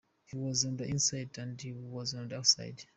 He was on the inside and I was on the outside.